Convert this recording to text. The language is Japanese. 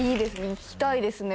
行きたいですね